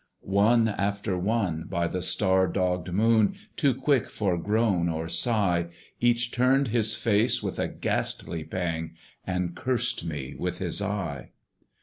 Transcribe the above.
One after one, by the star dogged Moon Too quick for groan or sigh, Each turned his face with a ghastly pang, And cursed me with his eye.